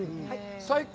最高。